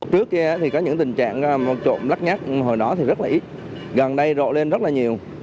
trước kia thì có những tình trạng trộm lách nhát hồi đó thì rất là ít gần đây rộ lên rất là nhiều